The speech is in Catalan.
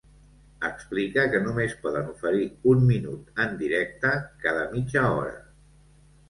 Explica que només poden oferir un minut en directe cada mitja hora.